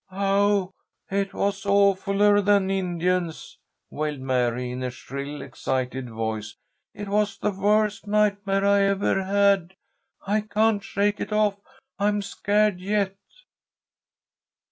"Oh, it was awfuller than Indians," wailed Mary, in a shrill, excited voice. "It was the worst nightmare I ever had! I can't shake it off. I'm scared yet."